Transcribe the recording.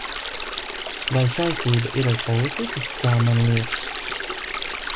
Vai saistība ir ar politiku, kā man liekas?